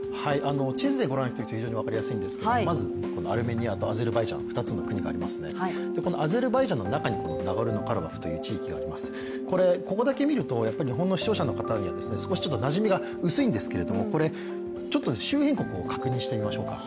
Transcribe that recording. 地図でご覧いただくと非常に分かりやすいんですがアルメニアとアゼルバイジャン、２つの国がありますね、アゼルバイジャンの中にナゴルノ・カラバフという地域があります、これここだけ見ると日本の視聴者の方には少しなじみが薄いんですけれども周辺国を確認してみましょうか。